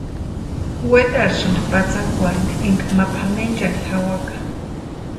Wetarhisïnti patsakwarhini énka ma pʼamenchani jawaka.